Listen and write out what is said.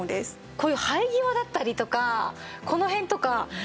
こういう生え際だったりとかこの辺とかあとこの分け目。